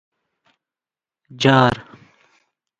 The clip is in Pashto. _جار!